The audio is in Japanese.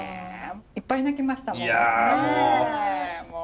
いっぱい泣きましたもん。